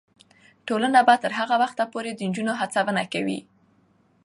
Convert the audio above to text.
ټولنه به تر هغه وخته پورې د نجونو هڅونه کوي.